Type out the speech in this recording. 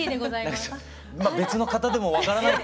まあ別の方でも分からない。